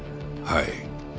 はい。